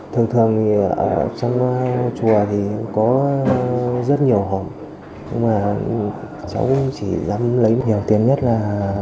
thường thường thì ở trong chùa thì có rất nhiều hồng nhưng mà cháu chỉ dám lấy nhiều tiền nhất là